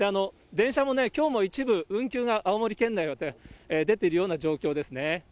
電車もね、きょうも一部運休が、青森県内は出ているような状況ですね。